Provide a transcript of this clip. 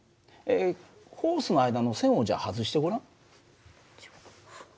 ホースの間の栓をじゃあ外してごらん。